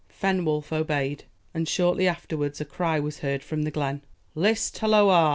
Fenwolf obeyed; and shortly afterwards a cry was heard from the glen. "List halloa!